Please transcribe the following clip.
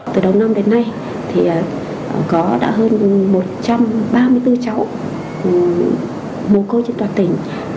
có hơn một trăm ba mươi bốn cháu bố côi trên toàn tỉnh